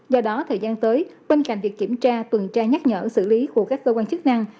do đó thời gian tới bên cạnh việc kiểm tra tuần tra nhắc nhở xử lý của các cơ quan chức năng